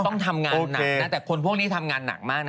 ต้องทำงานหนักนะแต่คนพวกนี้ทำงานหนักมากนะ